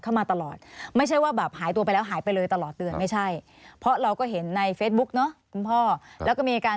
เอาแบบนี้ค่ะ